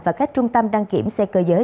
và các trung tâm đăng kiểm xe cơ giới